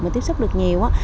mà tiếp xúc được nhiều